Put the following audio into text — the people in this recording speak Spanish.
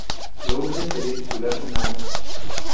Lourdes sería titular en ambos.